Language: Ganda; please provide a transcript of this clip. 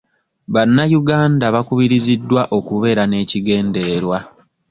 Bannayuganda bakubiriziddwa okubeera n'ekigendererwa.